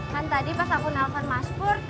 kan tadi pas aku nelfon mas pur